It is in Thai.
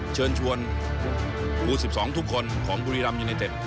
เชิญชวนผู้๑๒ทุกคนของบุรีรัมยูไนเต็ด